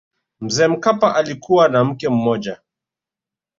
mzee mkapa alikuwa na mke mmoja